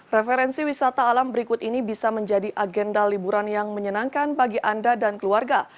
referensi wisata alam berikut ini bisa menjadi agenda liburan yang menyenangkan bagi anda dan keluarga